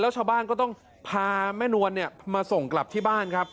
ชาวบ้านก็ต้องพาแม่นวลมาส่งกลับที่บ้านครับ